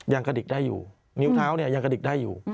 ยังกระดิกได้อยู่นิ้วเท้าเนี่ยยังกระดิกได้อยู่